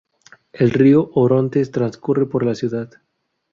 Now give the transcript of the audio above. El río Orontes transcurre por la ciudad.